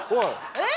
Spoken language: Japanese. えっ？